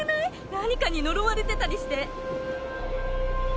何かに呪われてたりして。